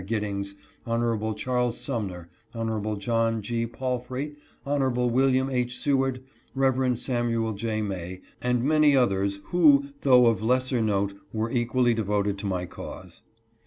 Gid dings, Hon. Charles Sumner, Hon. John G. Palfry, Hon. Wm. H. Seward, Rev. Samuel J. May, and many others, who though of lesser note were equally devoted to my cause.